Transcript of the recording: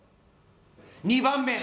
２番目！